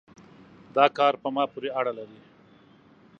دا کار په ما پورې اړه لري